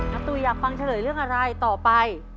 ตุ๋ยอยากฟังเฉลยเรื่องอะไรต่อไป